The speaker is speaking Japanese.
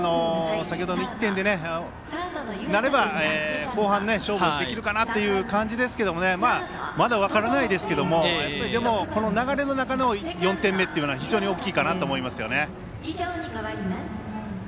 先程の１点であれば後半で勝負できるかなという感じでしたけどまだ分からないですがこの流れの中の４点目は非常に大きいかなと思いますよね。